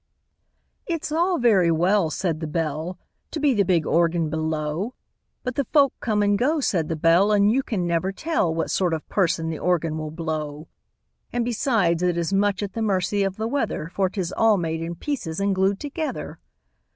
It's all very well, Said the Bell, To be the big Organ below! But the folk come and go, Said the Bell, And you never can tell What sort of person the Organ will blow! And, besides, it is much at the mercy of the weather For 'tis all made in pieces and glued together!